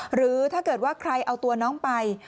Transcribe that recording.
หรือถ้าเกิดว่าใครเอาตัวน้องไป